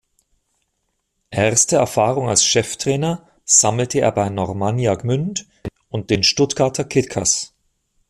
Erste Erfahrung als Cheftrainer sammelte er bei Normannia Gmünd und den Stuttgarter Kickers.